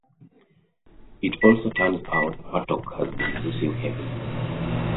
It also turns out Bartok has been losing heavily.